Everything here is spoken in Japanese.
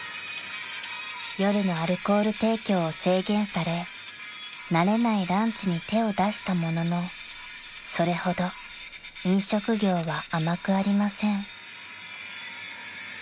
［夜のアルコール提供を制限され慣れないランチに手を出したもののそれほど飲食業は甘くありません］